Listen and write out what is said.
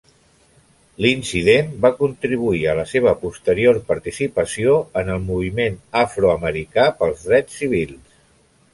L'incident va contribuir a la seva posterior participació en el moviment afroamericà pels drets civils.